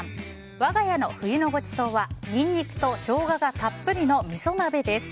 我が家の冬のごちそうはニンニクとショウガがたっぷりのみそ鍋です。